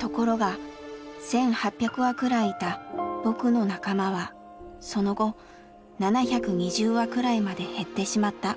ところが１，８００羽くらいいた僕の仲間はその後７２０羽くらいまで減ってしまった。